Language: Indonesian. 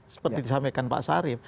seperti disampaikan pak sari